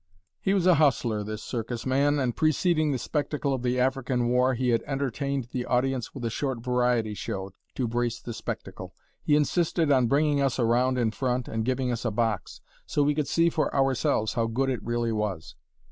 He was a hustler, this circus man, and preceding the spectacle of the African war, he had entertained the audience with a short variety show, to brace the spectacle. He insisted on bringing us around in front and giving us a box, so we could see for ourselves how good it really was.